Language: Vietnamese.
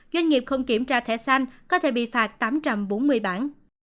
doanh nghiệp không kiểm tra thẻ xanh có thể bị phạt tám trăm bốn mươi bản